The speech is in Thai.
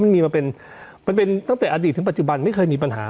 มันมีมาเป็นมันเป็นตั้งแต่อดีตถึงปัจจุบันไม่เคยมีปัญหา